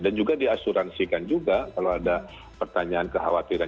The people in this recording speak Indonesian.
dan juga diasuransikan juga kalau ada pertanyaan kekhawatiran